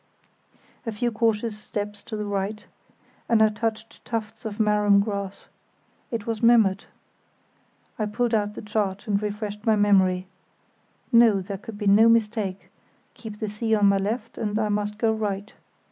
A few cautious steps to the right and I touched tufts of marram grass. It was Memmert. I pulled out the chart and refreshed my memory. No! there could be no mistake; keep the sea on my left and I must go right.